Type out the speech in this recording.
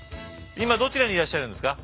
今どちらにいらっしゃるんですか？